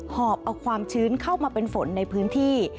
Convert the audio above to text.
หอบเอาความชื้นเข้ามาเป็นฝนในพื้นที่